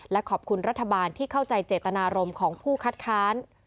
และขอบคุณรัฐบาลที่เข้าใจเจตนารมณ์ของผู้คัดค้าน